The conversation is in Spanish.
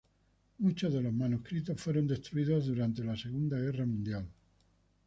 Muchos de los manuscritos fueron destruidos durante la Segunda Guerra Mundial.